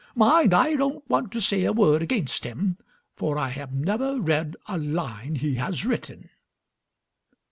Mind, I don't want to say a word against him, for I have never read a line he has written."